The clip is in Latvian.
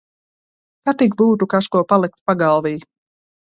Kad tik būtu kas ko palikt pagalvī.